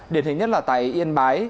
điển hình nhất là tại yên bái